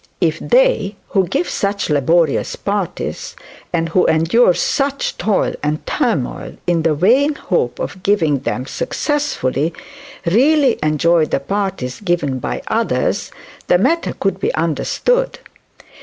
If they who give such laborious parties, and who endure such toil and turmoil in the vain hope of giving them successfully, really enjoyed the parties given by others, the matter would be understood.